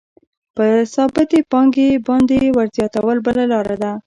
په ثابتې پانګې باندې ورزیاتول بله لاره ده